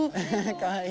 かわいい！